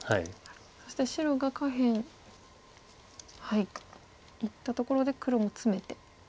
そして白が下辺いったところで黒もツメてきました。